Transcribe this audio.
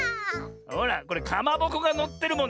ほらこれかまぼこがのってるもんね。